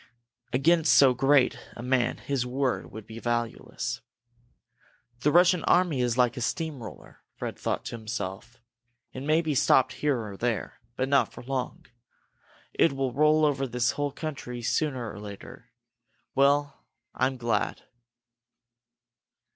Against so great a man his word would be valueless. "This Russian army is like a steam roller," Fred thought to himself. "It may be stopped here or there, but not for long. It will roll over this whole country sooner or later. Well I'm glad!